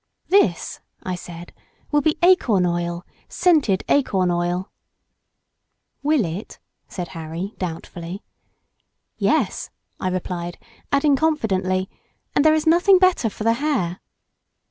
"This," I said, "will be acorn oil—scented acorn oil." " Will it?" said Harry doubtfully. "Yes," I replied, adding confidently, "and there is nothing better for the hair."